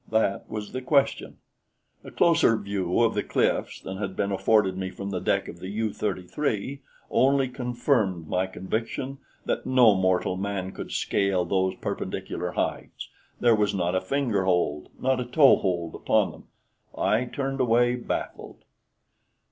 That was the question. A closer view of the cliffs than had been afforded me from the deck of the U 33 only confirmed my conviction that no mortal man could scale those perpendicular heights; there was not a finger hold, not a toe hold, upon them. I turned away baffled.